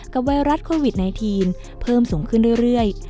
ไวรัสโควิด๑๙เพิ่มสูงขึ้นเรื่อย